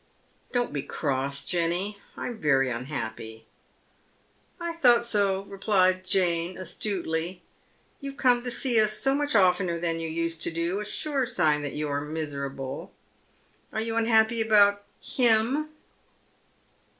" Don't be cross Jenny. I'm very unhappy." " I thought BO," replies Jane, astutely, " you've come to see us so much oftener than you used to do, a sure sign that you are miserable. Are you unhappy about him